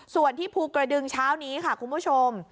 ส่วนที่ภูกระดึงเช้านี้ค่ะคุณผู้ชม